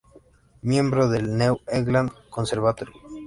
Miembro del New England Conservatory.